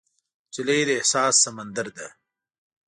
نجلۍ د احساس سمندر ده.